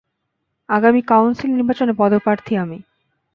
আগামী কাউন্সিল নির্বাচনে পদপ্রার্থী আমি।